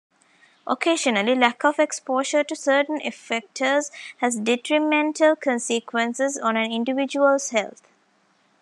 Occasionally, lack of exposure to certain effectors has detrimental consequences on an individual's health.